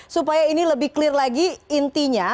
supaya ini lebih clear lagi intinya